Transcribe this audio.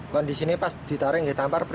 kondisi ini pas ditarik tidak tambah